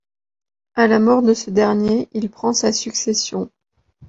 À la mort de ce dernier, il prend sa succession.